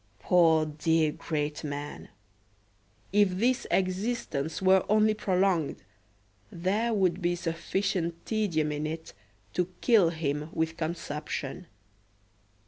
Poor dear great man! If this existence were only prolonged, there would be sufficient tedium in it to kill him with consumption.